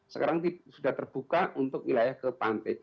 sekarang sudah terbuka untuk wilayah ke pantai